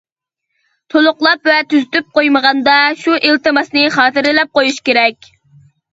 تولۇقلاپ ۋە تۈزىتىپ قويمىغاندا، شۇ ئىلتىماسنى خاتىرىلەپ قويۇش كېرەك.